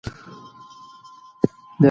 په روغتونونو کې عصري وسایل موجود وي.